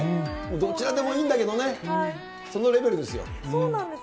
どちらでもいいんだけどね、そうなんです。